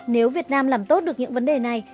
nếu việt nam làm tốt được những vấn đề này